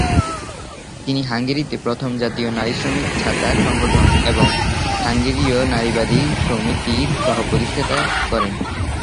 তিনি হাঙ্গেরিতে প্রথম জাতীয় নারী শ্রমিক ছাতা সংগঠন এবং হাঙ্গেরীয় নারীবাদী সমিতির সহ-প্রতিষ্ঠা করেন।